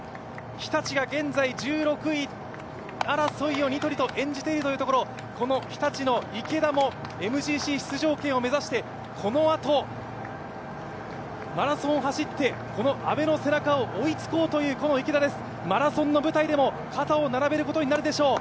日立が現在１６位争いをニトリと演じているところ、この日立の池田もＭＧＣ出場権を目指してこのあと、マラソンを走ってこの背中に追いつこうとマラソンの舞台でも肩を並べることになるでしょう。